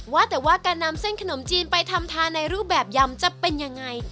ว่าแต่ว่าการนำเส้นขนมจีนไปทำทานในรูปแบบยำจะเป็นยังไง